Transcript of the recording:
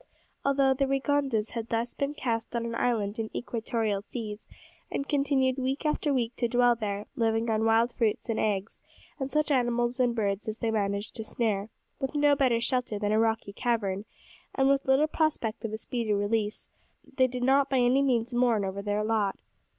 Although the Rigondas had thus been cast on an island in the equatorial seas, and continued week after week to dwell there, living on wild fruits and eggs, and such animals and birds as they managed to snare, with no better shelter than a rocky cavern, and with little prospect of a speedy release, they did not by any means mourn over their lot.